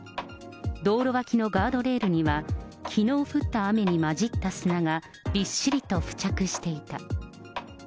道路脇のガードレールには、きのう降った雨にまじった砂がびっしりと付着していた。